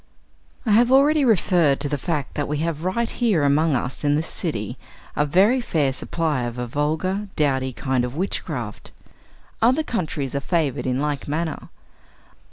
I have already referred to the fact that we have right here among us in this city a very fair supply of a vulgar, dowdy kind of witchcraft. Other countries are favored in like manner.